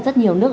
rất nhiều nước